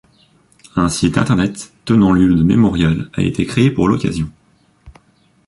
Un site internet tenant lieu de mémorial a été créé pour l'occasion.